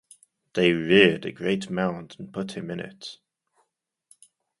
They reared a great mound and put him in it.